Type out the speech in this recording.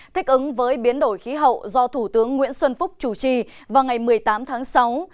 thích ứng với biến đổi khí hậu do thủ tướng nguyễn xuân phúc chủ trì vào ngày một mươi tám tháng sáu